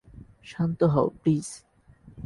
শান্ত হও, প্লিজ!